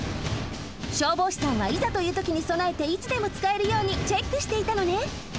消防士さんはいざというときにそなえていつでもつかえるようにチェックしていたのね。